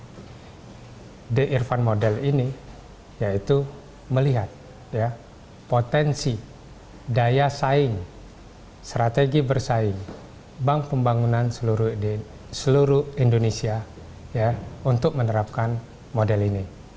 di irfan model ini yaitu melihat potensi daya saing strategi bersaing bank pembangunan seluruh indonesia untuk menerapkan model ini